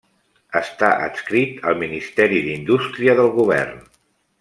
Està adscrit al Ministeri d'Indústria del Govern.